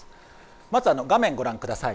まず画面をご覧ください。